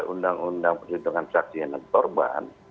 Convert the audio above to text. undang undang persidangan saksi dan torban